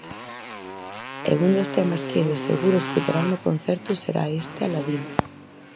E un dos temas que, de seguro, se escoitarán no concerto será este Aladino.